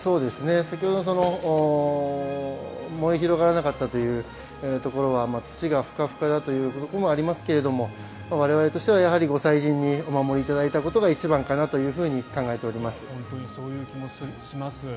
先ほどの燃え広がらなかったというところは土がふかふかだというところもありますが我々としてはやはりご祭神にお守りいただいたことがそういう気持ちがします。